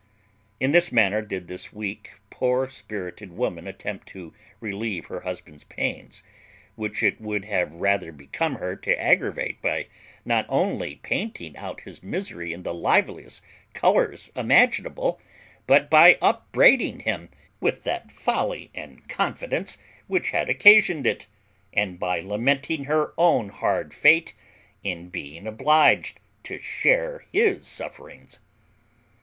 In this manner did this weak poor spirited woman attempt to relieve her husband's pains, which it would have rather become her to aggravate, by not only painting out his misery in the liveliest colours imaginable, but by upbraiding him with that folly and confidence which had occasioned it, and by lamenting her own hard fate in being obliged to share his sufferings.